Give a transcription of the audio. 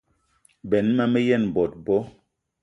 Benn ma me yen bot bo.